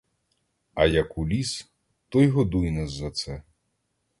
А як уліз, то й годуй нас за це.